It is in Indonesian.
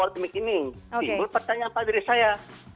timbul pertanyaan pada diri saya